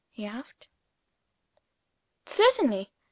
he asked. "Certainly!